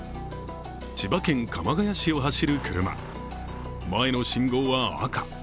千葉県鎌ケ谷市を走る車前の信号は赤。